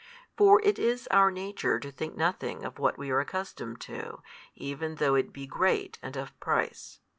For it is our nature to think nothing of what we are accustomed to, even though it be great and of price.